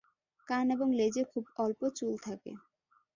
কান এবং লেজে খুব অল্প চুল থাকে।